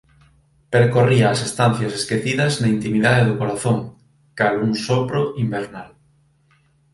percorría as estancias esquecidas na intimidade do corazón cal un sopro invernal